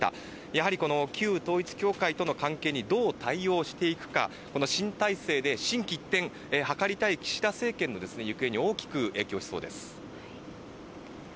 やはり旧統一教会との関係にどう対応していくかこの新体制で心機一転図りたい岸田政権の行方に大きく影響しそうです。